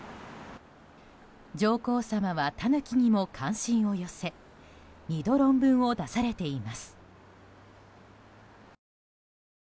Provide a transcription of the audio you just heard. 上皇さまはタヌキにも関心を寄せ２度、論文を出されています。